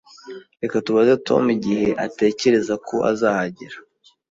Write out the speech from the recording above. Reka tubaze Tom igihe atekereza ko azahagera